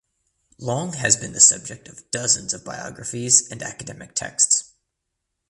Long has been the subject of dozens of biographies and academic texts.